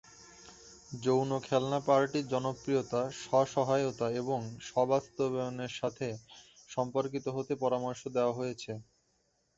যৌন খেলনা পার্টির জনপ্রিয়তা স্ব-সহায়তা এবং স্ব-বাস্তবায়নের সাথে সম্পর্কিত হতে পরামর্শ দেওয়া হয়েছে।